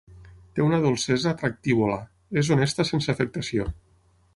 Té una dolcesa atractívola; és honesta sense afectació...